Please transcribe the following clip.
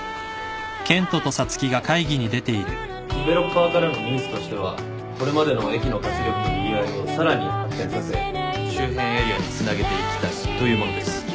デベロッパーからのニーズとしてはこれまでの駅の活力とにぎわいをさらに発展させ周辺エリアにつなげていきたいというものです。